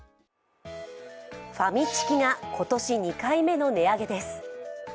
ファミチキが今年２回目の値上げです。